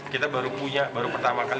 kita baru punya baru pertama kali